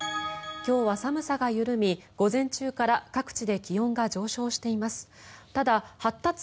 今日は寒さが緩み、午前中から各地で気温が上昇しています。